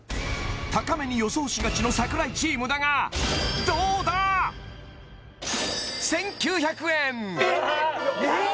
高めに予想しがちの櫻井チームだがどうだ？えっ！？えっ？